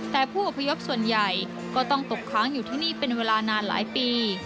แต่ผู้อพยพส่วนใหญ่ก็ต้องตกค้างอยู่ที่นี่เป็นเวลานานหลายปี